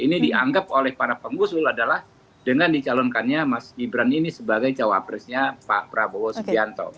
ini dianggap oleh para pengusul adalah dengan dicalonkannya mas gibran ini sebagai cawapresnya pak prabowo subianto